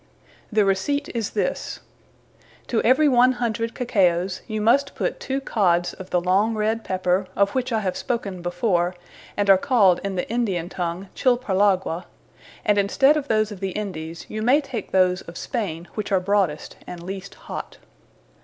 The Receipt is this. To every 100. Cacaos, you must put two cods of the[G] long red Pepper, of which I have spoken before, and are called in the Indian Tongue, Chilparlagua; and in stead of those of the Indies, you may take those of Spaine which are broadest, & least hot.